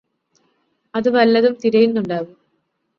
അത് വല്ലതും തിരയുന്നുണ്ടാകും